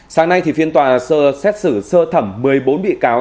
sáng nay thì phiên tòa xét xử sơ thẩm một mươi bốn bị cáo